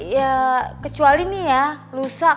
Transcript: ya kecuali nih ya lusa kamu